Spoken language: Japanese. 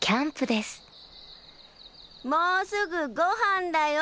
もうすぐごはんだよ！